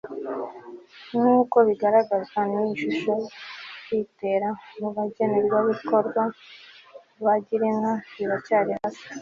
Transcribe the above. nk uko bigaragazwa n iyi shusho kwitura mu bagenerwabikorwa ba girinka biracyari hasi